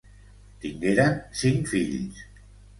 Tingueren cinc fills.